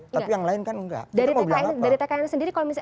tapi yang lain kan enggak